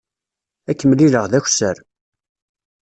Ad k-mlileɣ d akessar.